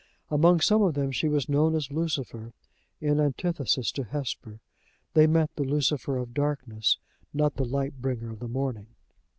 Among some of them she was known as Lucifer, in antithesis to Hesper: they meant the Lucifer of darkness, not the light bringer of the morning.